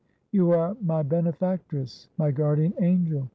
' You are my benefactress, my guardian angel.